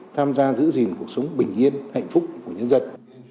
tham gia giữ gìn cuộc sống bình yên hạnh phúc của nhân dân